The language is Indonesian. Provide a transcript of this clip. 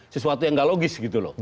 sesuatu yang tidak logis